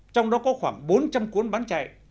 trong đó có khoảng bốn trăm linh cuốn bán chạy